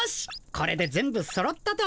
これで全部そろったと。